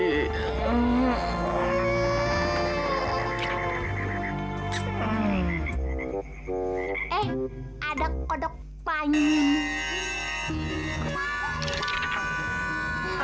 eh ada kodok panjang